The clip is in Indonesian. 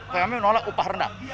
kami menolak upah rendah